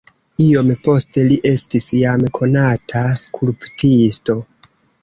Iom poste li estis jam konata skulptisto.